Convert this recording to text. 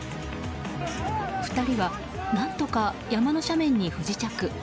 ２人は何とか山の斜面に不時着。